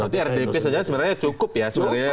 berarti rtp saja sebenarnya cukup ya sebenarnya